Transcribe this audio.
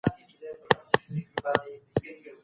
د کار ځواک د روزنې نشتوالی پرمختګ کمزوری کوي.